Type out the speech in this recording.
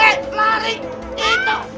eh lari itu